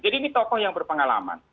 jadi ini tokoh yang berpengalaman